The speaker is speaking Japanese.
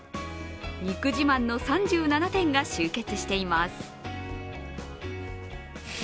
肉自慢の３７店が集結しています。